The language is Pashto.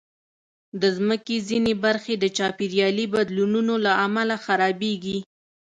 د مځکې ځینې برخې د چاپېریالي بدلونونو له امله خرابېږي.